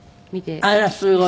あらすごい。